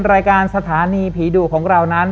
รายการสถานีผีดุของเรานั้น